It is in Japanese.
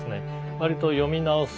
わりと読み直す